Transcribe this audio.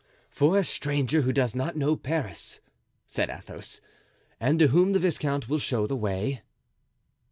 "For a stranger who does not know Paris," said Athos, "and to whom the viscount will show the way."